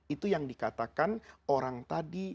itu yang dikatakan orang tadi